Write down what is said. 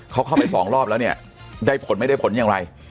เขาเข้าไปสองรอบแล้วเนี่ยได้ผลไม่ได้ผลอย่างไร